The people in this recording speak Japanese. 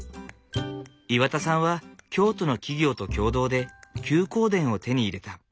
岩田さんは京都の企業と共同で休耕田を手に入れた。